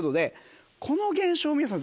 この現象皆さん